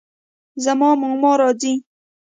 زما ماما راځي